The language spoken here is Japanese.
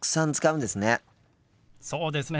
そうですね。